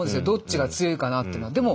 どっちが強いかなっていうのは。